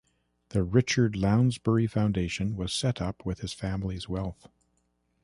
The Richard Lounsbery Foundation was set up with his family's wealth.